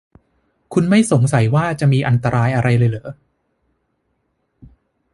คุณไม่สงสัยว่าจะมีอันตรายอะไรเลยหรอ ?